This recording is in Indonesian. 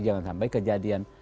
jangan sampai kejadian